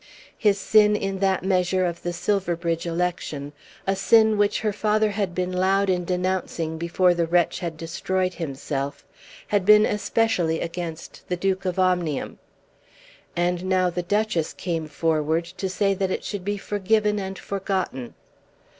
His sin in that measure of the Silverbridge election, a sin which her father had been loud in denouncing before the wretch had destroyed himself, had been especially against the Duke of Omnium. And now the Duchess came forward to say that it should be forgiven and forgotten.